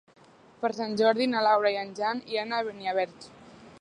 Per Sant Jordi na Laura i en Jan iran a Beniarbeig.